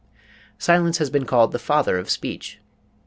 Silence has been called the father of speech.